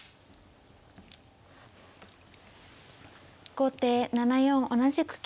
後手７四同じく金。